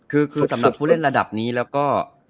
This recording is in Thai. คือสำหรับผู้เล่นระดับนี้แล้วก็